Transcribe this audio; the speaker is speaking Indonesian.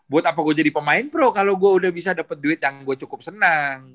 buat apa gue jadi pemain pro kalau gue udah bisa dapet duit yang gue cukup senang